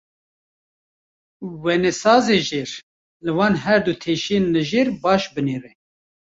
Wênesazê jîr, li van her du teşeyên li jêr baş binêre.